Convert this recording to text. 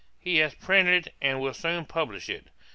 He has printed, and will soon publish it.